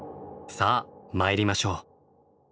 さあ参りましょう。